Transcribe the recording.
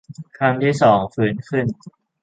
ครั้งที่สองฟื้นขึ้น